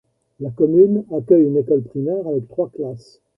La commune accueille une école primaire avec trois classes.